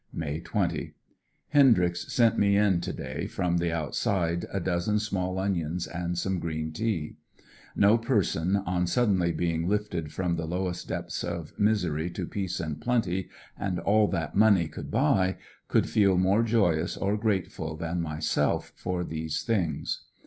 May 20. — Hendryx sent me in to day from the outside a dozen small onions and some green tea No person, on suddenly being lifted from the lowest depths of misery to peace and plenty, and all that money could buy, could feel more joyous or grateful than my self for those things.